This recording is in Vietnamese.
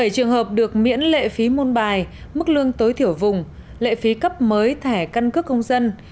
bảy trường hợp được miễn lệ phí môn bài mức lương tối thiểu vùng lệ phí cấp mới thẻ căn cước công dân